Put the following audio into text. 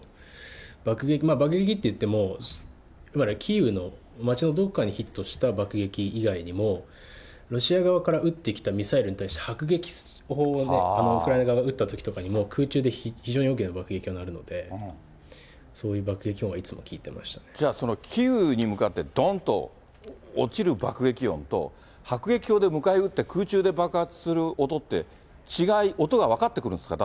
爆撃、爆撃っていっても、いわゆるキーウの街のどこかにヒットした爆撃以外にも、ロシア側から撃ってきたミサイルに対して迫撃砲でウクライナ側が撃ったときにも空中で非常に大きな爆撃となるので、そういう爆撃じゃあ、キーウに向かってどんと落ちる爆撃音と、迫撃砲で迎え撃って、空中で爆発する音って、違い、音が分かってくるんですか？